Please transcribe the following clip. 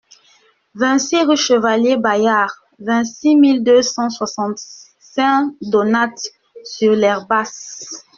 vingt-six rue Chevalier Bayard, vingt-six mille deux cent soixante Saint-Donat-sur-l'Herbasse